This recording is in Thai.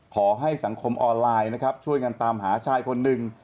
ขอให้สังคมออนไลน์นะครับช่วยกันตามหาชายคนหนึ่ง